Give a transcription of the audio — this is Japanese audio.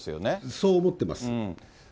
そう思ってます。